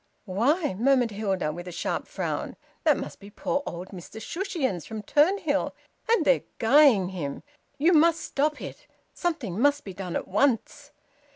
"Why," murmured Hilda, with a sharp frown, "that must be poor old Mr Shushions from Turnhill, and they're guying him! You must stop it. Something must be done at once."